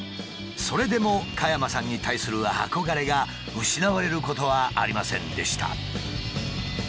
それでも加山さんに対する憧れが失われることはありませんでした。